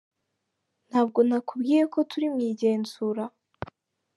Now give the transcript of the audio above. Ntabwo nakubwiye ko turi mu igenzura.